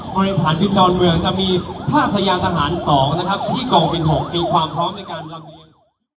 บริษัทวิทย์ดอนเมืองจะมีท่าสยามทหาร๒ที่เกาะวิทยาลัย๖มีความพร้อมในการลำเบียน